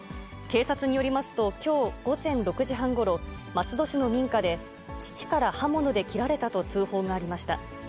警察によりますと、きょう午前６時半ごろ、松戸市の民家で、父から刃物で切られたと通報がありました。